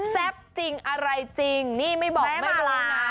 แซ่บจริงอะไรจริงนี่ไม่บอกไม่รู้นะ